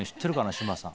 志麻さん。